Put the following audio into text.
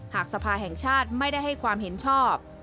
หากสภาแห่งชาติไม่ได้ให้ความเห็นชอบ